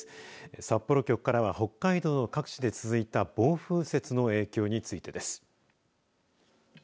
札幌局からは北海道の各地で続いた暴風雪の影響についてです。